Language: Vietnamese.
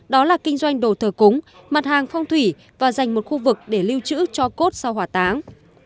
đó là kinh doanh đồ thờ cúng mặt hàng phong thủy và dành một khu vực để lưu trữ cho cốt sau hỏa táng